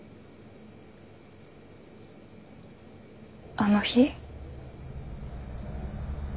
あの日。